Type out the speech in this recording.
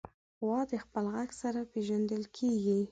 غوا د خپل غږ سره پېژندل کېږي.